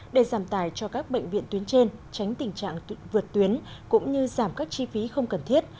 để giảm tài cho các bệnh viện tuyến trên tránh tình trạng vượt tuyến cũng như giảm các chi phí không cần thiết